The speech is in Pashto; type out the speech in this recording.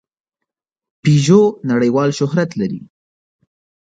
پيژو نړۍوال شهرت لري.